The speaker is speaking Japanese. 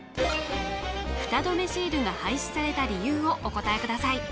フタ止めシールが廃止された理由をお答えください